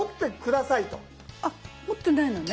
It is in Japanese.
あっ持ってないのね？